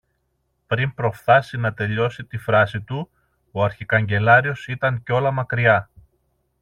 Πριν προφθάσει να τελειώσει τη φράση του, ο αρχικαγκελάριος ήταν κιόλα μακριά.